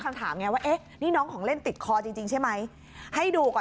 เข้าไปลงไปได้ไว้ที่สุด